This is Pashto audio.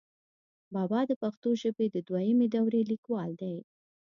بابا دَپښتو ژبې دَدويمي دورې ليکوال دی،